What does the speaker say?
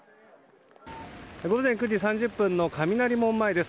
午前９時３０分の雷門前です。